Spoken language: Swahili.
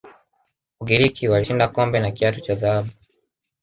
ugiriki walishinda kombe na kiatu cha dhahabu